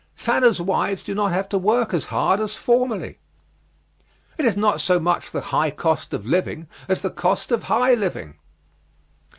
"Fanner's wives do not have to work as hard as formerly." "It is not so much the high cost of living as the cost of high living."